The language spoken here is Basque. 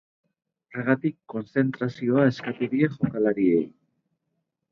Horregatik kontzentrazioa eskatu die jokalariei.